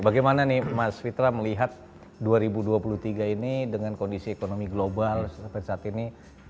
bagaimana nih mas fitra melihat dua ribu dua puluh tiga ini dengan kondisi ekonomi global sampai saat ini